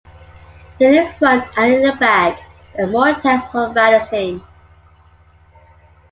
In the front and in the back there are more tanks for balancing.